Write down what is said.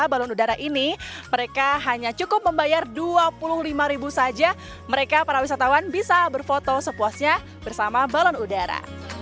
balon udara ini mereka hanya cukup membayar dua puluh lima ribu saja mereka para wisatawan bisa berfoto sepuasnya bersama balon udara